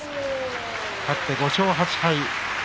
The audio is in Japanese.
勝って５勝８敗。